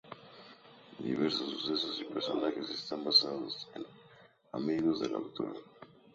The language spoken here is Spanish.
Diversos sucesos y personajes están basados en amigos del autor.